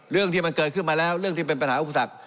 เรื่องที่มันเกิดขึ้นมาแล้วเรื่องที่เป็นปัญหาอุปสรรค